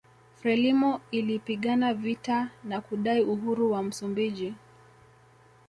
Frelimo ilipigana vita na kudai uhuru wa Msumbiji